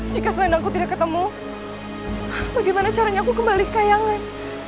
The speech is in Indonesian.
jika selain aku tidak ketemu bagaimana caranya aku kembali ke yang lain